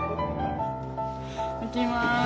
いきます。